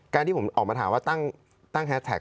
ที่ผมออกมาถามว่าตั้งแฮสแท็ก